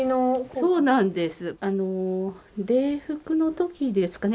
そうなんです。